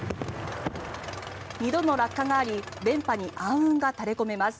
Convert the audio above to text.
２度の落下があり連覇に暗雲が垂れ込めます。